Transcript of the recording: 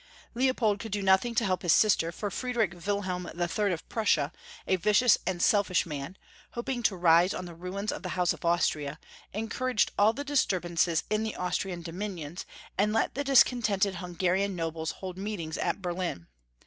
Leopold could do nothing to help his sister, for Friedrich Wilhelm III. of Prussia, a vicious and selfish man, hoping to rise on the ruins of the House of Austria, encouraged all the disturbances in the Austrian dominions, and let the discontented Hungarian nobles hold meetings at BerUn.